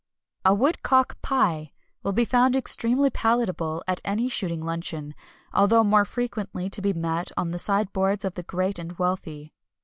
A Woodcock Pie will be found extremely palatable at any shooting luncheon, although more frequently to be met with on the sideboards of the great and wealthy.